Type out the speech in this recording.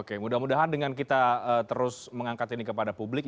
oke mudah mudahan dengan kita terus mengangkat ini kepada publik